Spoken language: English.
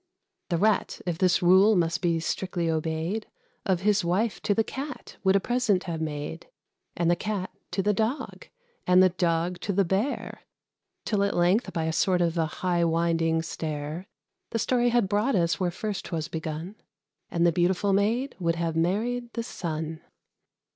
The Rat, if this rule must be strictly obeyed, Of his wife to the Cat would a present have made: And the Cat to the Dog, and the Dog to the Bear; Till, at length, by a sort of a high winding stair, The story had brought us where first 'twas begun, And the beautiful Maid would have married the Sun.